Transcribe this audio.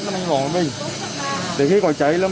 gọi proomi thường tới để nhận kém chữa cháy t clips